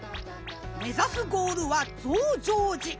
目指すゴールは増上寺。